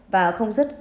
và không giất